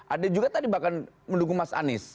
ada juga tadi bahkan mendukung mas anies